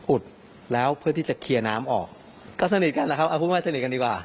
อุดแล้วเพื่อที่จะเคลียร์น้ำออกก็สนิทกันแหละครับเอาพูดว่าสนิทกันดีกว่า